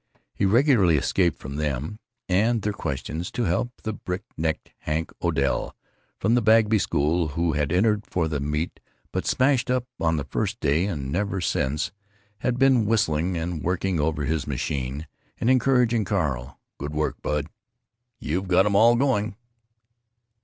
He regularly escaped from them—and their questions—to help the brick necked Hank Odell, from the Bagby School, who had entered for the meet, but smashed up on the first day, and ever since had been whistling and working over his machine and encouraging Carl, "Good work, bud; you've got 'em all going."